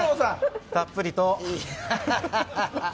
たっぷりと。